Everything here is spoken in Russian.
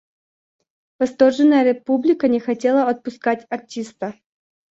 Восторженная публика не хотела отпускать артиста.